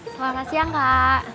selamat siang kak